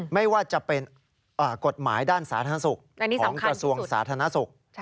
ไม่ว่าจะเป็นกฎหมายด้านสาธารณสุขของกระทรวงสาธารณสุข